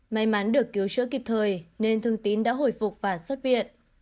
may mắn được cứu chữa kịp thời nên thương tín đã hồi phục và xuất viện